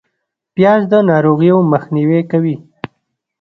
پیاز د ناروغیو مخنیوی کوي